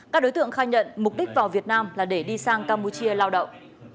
các đối tượng khai nhận mục đích vào việt nam là để đi sang campuchia lao động